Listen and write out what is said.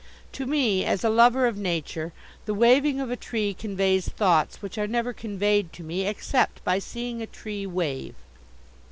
To me, as a lover of Nature, the waving of a tree conveys thoughts which are never conveyed to me except by seeing a tree wave.